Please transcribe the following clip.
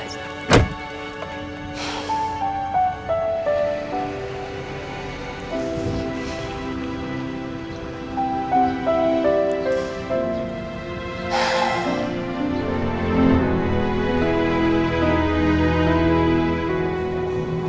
bye selamat tinggal